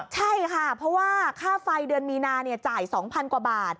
ใช่ค่ะเพราะว่าค่าไฟเดือนมีนาจ่าย๒๐๐กว่าบาท